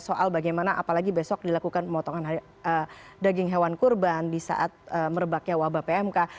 soal bagaimana apalagi besok dilakukan pemotongan daging hewan kurban di saat merebaknya wabah pmk